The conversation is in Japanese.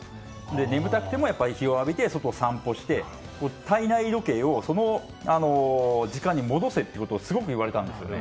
眠たくても日を浴びて外を散歩して体内時計をその時間に戻せということをすごく言われたんですよね。